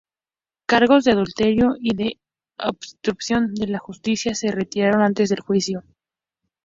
Cargos de adulterio y de obstrucción de la justicia se retiraron antes del juicio.